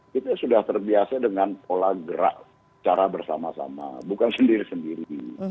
kita sudah terbiasa dengan pola gerak cara bersama sama bukan sendiri sendiri